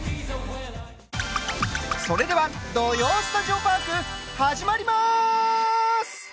それでは「土曜スタジオパーク」始まります！